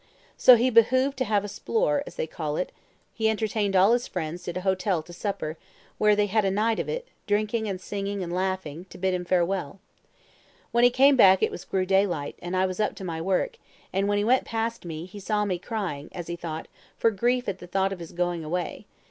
So he behoved to have a splore, as they called it: he entertained all his friends at a hotel to a supper, where they had a night of it, drinking, and singing, and laughing, to bid him farewell. When he came back it was grey daylight, and I was up to my work; and when he went past me, he saw me crying, as he thought, for grief at the thought of his going away.